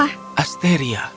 aku akan menjaga asteria